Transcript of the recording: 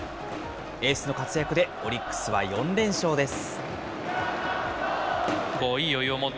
エースの活躍で、オリックスは４連勝です。